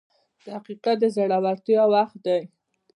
• دقیقه د زړورتیا وخت دی.